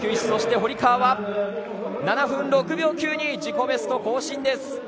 そして堀川は７分６秒９２自己ベスト、更新です。